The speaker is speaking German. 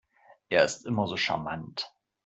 Er ist immer so charmant.